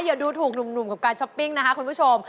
อย่าดูถูกหนุ่มกับการช้อปปิ้งนะคะคุณผู้ชม